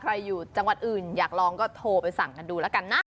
อยู่จังหวัดอื่นอยากลองก็โทรไปสั่งกันดูแล้วกันนะ